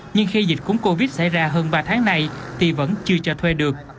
nhưng khi dịch cúng covid xảy ra hơn ba tháng nay thì vẫn chưa cho thuê được